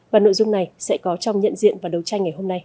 và nội dung này sẽ có trong nhận diện và đấu tranh ngày hôm nay